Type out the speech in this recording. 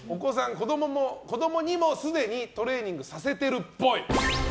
子供にもすでにトレーニングさせてるっぽい。